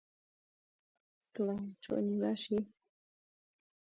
شێخ مەعسووم خەبەریان پێدەدا.